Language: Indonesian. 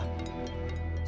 ibu mencintai dia